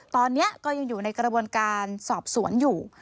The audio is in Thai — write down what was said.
ตอนนี้ก็ยังอยู่ในกระบวนการสอบสวนอยู่